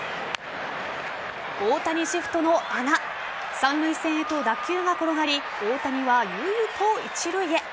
大谷シフトの穴三塁線へと打球が転がり大谷は悠々と一塁へ。